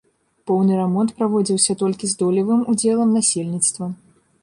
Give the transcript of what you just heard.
Поўны рамонт праводзіўся толькі з долевым удзелам насельніцтва.